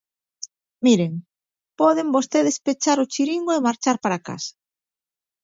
Miren, poden vostedes pechar o chiringo e marchar para a casa.